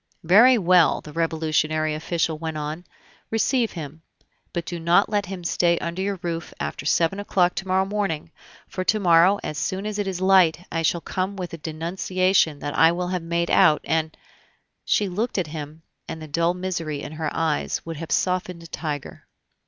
"Very well," the Revolutionary official went on, "receive him; but do not let him stay under your roof after seven o'clock to morrow morning; for to morrow, as soon as it is light, I shall come with a denunciation that I will have made out, and " She looked at him, and the dull misery in her eyes would have softened a tiger.